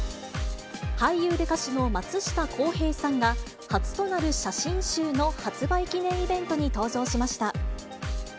俳優で歌手の松下洸平さんが、初となる写真集の発売記念イベントに登場しました。